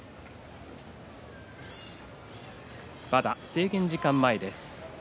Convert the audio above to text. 制限時間前です。